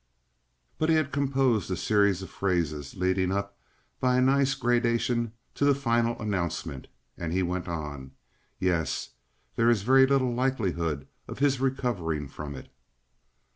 But he had composed a series of phrases leading up by a nice gradation to the final announcement, and he went on: "Yes. There is very little likelihood of his recovering from it."